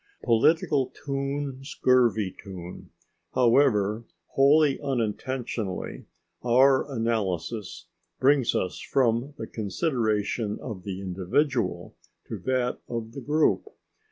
Political tune scurvy tune. However wholly unintentionally our analysis brings us from the consideration of the individual to that of the group.